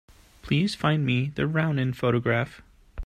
Please find me the Rounin photograph.